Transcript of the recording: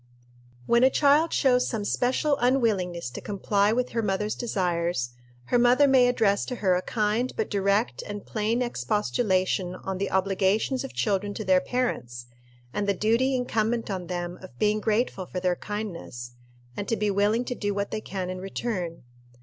When a child shows some special unwillingness to comply with her mother's desires, her mother may address to her a kind but direct and plain expostulation on the obligations of children to their parents, and the duty incumbent on them of being grateful for their kindness, and to be willing to do what they can in return.